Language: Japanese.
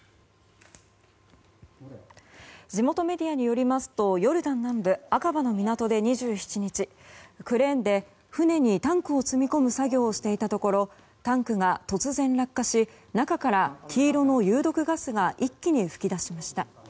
地元メディアによりますとヨルダン南部アカバの港で２７日クレーンで船にタンクを積み込む作業をしていたところタンクが突然落下し中から黄色の有毒ガスが一気に噴き出しました。